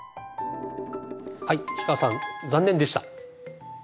はい氷川さん残念でした。